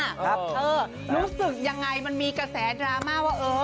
เธอรู้สึกยังไงมันมีกระแสดราม่าว่าเออ